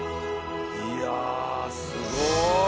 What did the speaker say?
いやすごい！